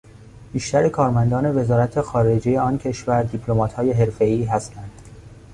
بیشتر کارمندان وزرات خارجهی آن کشور دیپلماتهای حرفهای هستند.